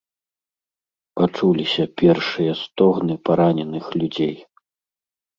Пачуліся першыя стогны параненых людзей.